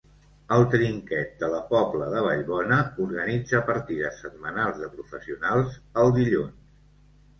El Trinquet de la Pobla de Vallbona organitza partides setmanals de professionals el dilluns.